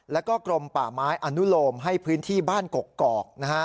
แล้วก็กรมป่าไม้อนุโลมให้พื้นที่บ้านกกอก